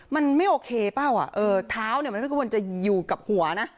มันไม่โอเคป้วเออเท้ามันไม่ควรจะอยู่กับหัวนะ